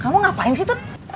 kamu ngapain sih tuh